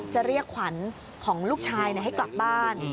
จะเรียกขวัญของลูกชายให้กลับบ้าน